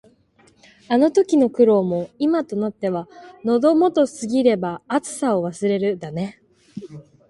あの時の苦労も、今となっては「喉元過ぎれば熱さを忘れる」だね。